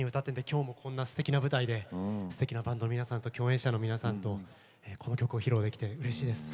今日もこんなすてきな舞台ですてきなバンドの皆さんと共演者の皆さんとこの曲を披露できてうれしいです。